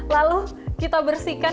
lalu kita bersihkan